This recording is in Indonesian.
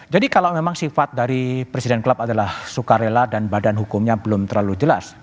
jadi kalau memang sifat dari presiden klub adalah suka rela dan badan hukumnya belum terlalu jelas